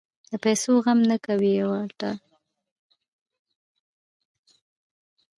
د پېسو غم نۀ کوي او الټا ورته دعاګانې هم کوي -